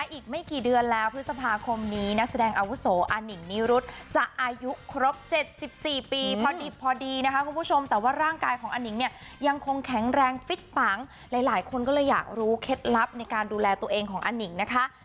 อีกไม่กี่เดือนแล้วพฤษภาคมนี้นักแสดงอาวุโสอานิงนิรุธจะอายุครบ๗๔ปีพอดีนะคะคุณผู้ชมแต่ว่าร่างกายของอนิงเนี่ยยังคงแข็งแรงฟิตปังหลายคนก็เลยอยากรู้เคล็ดลับในการดูแลตัวเองของอนิงนะคะ